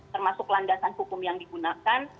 termasuk landasan hukum yang digunakan